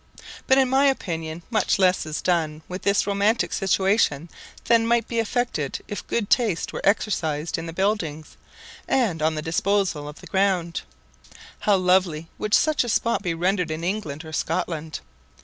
But, in my opinion, much less is done with this romantic situation than might be effected if good taste were exercised in the buildings, and on the disposal of the ground. How lovely would such a spot be rendered in England or Scotland.